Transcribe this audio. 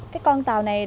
cái con tàu này